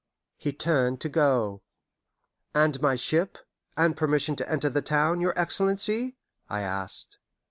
He turned to go. "And my ship, and permission to enter the town, your Excellency?" I asked.